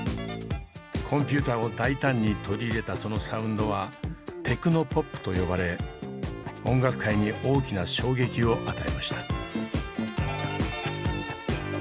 コンピューターを大胆に取り入れたそのサウンドはテクノポップと呼ばれ音楽界に大きな衝撃を与えました。